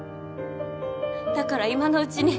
だから今のうちに。